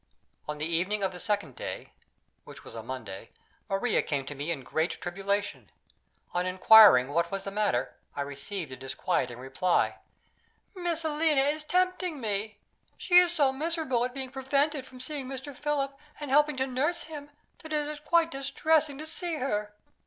On the evening of the second day (which was a Monday) Maria came to me in great tribulation. On inquiring what was the matter, I received a disquieting reply: "Miss Helena is tempting me. She is so miserable at being prevented from seeing Mr. Philip, and helping to nurse him, that it is quite distressing to see her.